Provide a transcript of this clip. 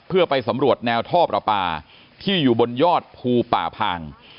เพื่อไปสำรวจแนวท่อประปาที่อยู่บนยอดภูป่าพาง